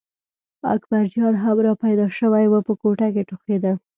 اکبرجان هم را پیدا شوی و په کوټه کې ټوخېده.